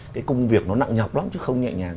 cái công việc nó nặng nhọc lắm chứ không nhẹ nhàng